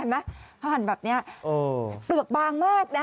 ไหมหั่นแบบนี้เปลือกบางมากนะ